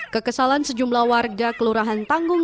kekesalan sejumlah warga kelurahan tanggung